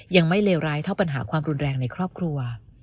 ยังไม่เลวร้ายเท่าปัญหาความรุนแรงในครอบครัว